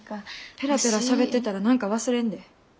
ペラペラしゃべってたら何か忘れんで。